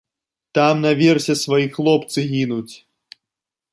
Там наверсе свае хлопцы гінуць!